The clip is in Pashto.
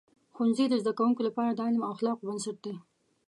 ښوونځي د زده کوونکو لپاره د علم او اخلاقو بنسټ دی.